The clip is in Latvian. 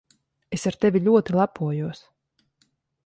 Es ar tevi ļoti lepojos.